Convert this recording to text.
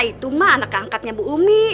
itu mah anak angkatnya bu umi